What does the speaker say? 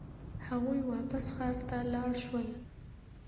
هغوی واپس ښار ته لاړ شول.